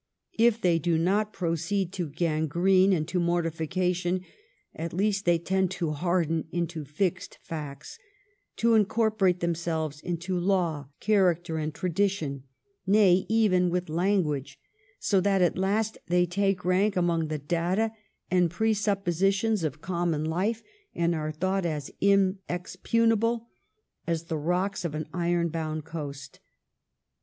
If they do not proceed to gangrene and to mortifi cation, at least they tend to harden into fixed facts, to incorporate themselves with law, character, and tradition, nay, even with language; so that at last they take rank among the data and presuppositions of common life, and are thought as inexpugnable as the rocks of an iron bound coast.